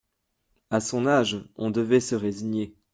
A son âge, on devait se résigner.